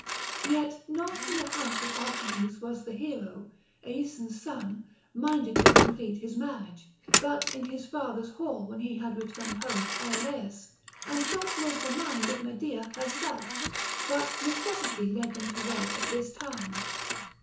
Yet not in the house of Alcinous was the hero, Aeson's son, minded to complete his marriage, but in his father's hall when he had returned home to Ioleus; and such was the mind of Medea herself; but necessity led them to wed at this time.